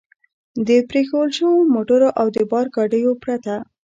د پرېښوول شوو موټرو او د بار ګاډیو پرته.